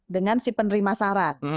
dengan si penerima saran